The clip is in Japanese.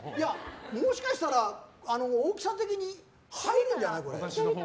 もしかしたら大きさ的に入るんじゃない？